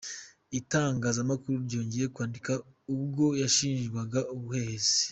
Itangazamakuru ryongeye kwandika ubwo yashinjwaga ubuhehesi.